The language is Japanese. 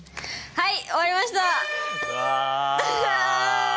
はい。